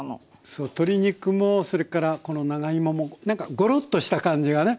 そう鶏肉もそれからこの長芋もなんかゴロッとした感じがね。